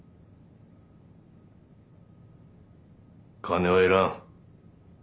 金はいらん。